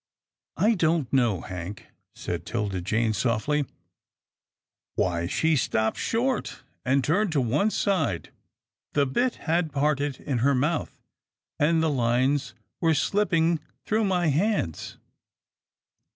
" I don't know. Hank," said 'Tilda Jane softly, " Why, she stopped short, and turned to one side. The bit had parted in her mouth, and the lines were slipping through my hands.